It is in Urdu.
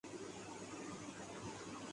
بس پانچھ سے دس منٹ لگئیں گے۔